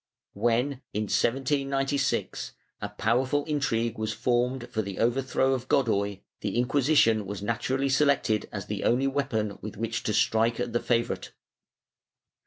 When, in 1796, a powerful intrigue was formed for the overthrow of Godoy, the Inquisition was naturally selected as the only weapon with which to strike at the favorite.